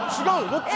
どっち？